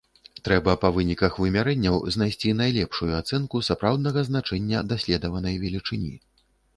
Трэба па выніках вымярэнняў знайсці найлепшую ацэнку сапраўднага значэння даследаванай велічыні.